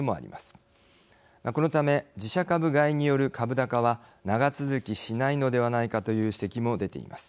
このため自社株買いによる株高は長続きしないのではないかという指摘も出ています。